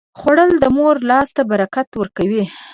خوړل د مور لاس ته برکت ورکوي